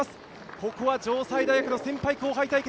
ここは城西大学の先輩、後輩対決。